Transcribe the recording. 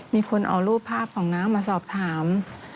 มีคนเอารูปภาพของน้ำมาสอบถาม